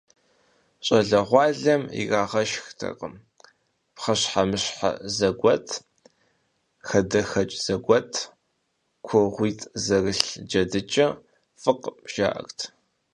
ЩӀалэгъуалэм ирагъэшхтэкъым пхъэщхьэмыщхьэ зэгуэт, хадэхэкӀ зэгуэт, кугъуитӀ зэрылъ джэдыкӀэ, фӀыкъым, жаӀэрт.